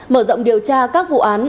mở rộng điều tra các vụ án